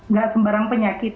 nggak sembarang penyakit